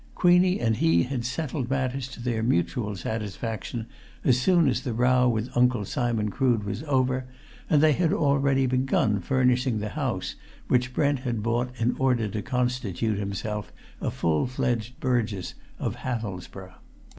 Queenie and he had settled matters to their mutual satisfaction as soon as the row with Uncle Simon Crood was over, and they had already begun furnishing the house which Brent had bought in order to constitute himself a full fledged burgess of Hathelsborough.